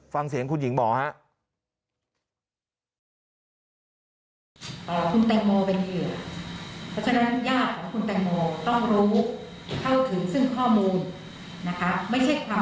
ฟังเสียงคุณหญิงหมอครับ